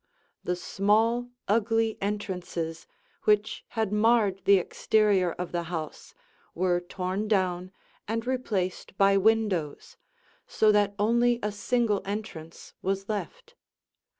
The small, ugly entrances which had marred the exterior of the house were torn down and replaced by windows, so that only a single entrance was left.